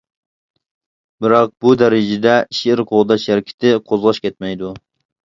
بىراق بۇ دەرىجىدە «شېئىر قوغداش ھەرىكىتى» قوزغاش كەتمەيدۇ.